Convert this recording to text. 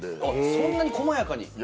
そんなに細やかに？